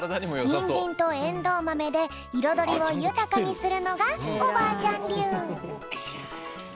にんじんとえんどうまめでいろどりをゆたかにするのがおばあちゃんりゅう。